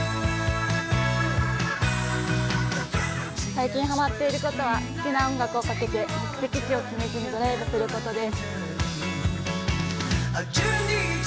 最近ハマっていることは好きな音楽をかけて目的地を決めずにドライブすることです。